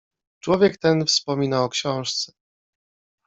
"Człowiek ten wspomina o książce."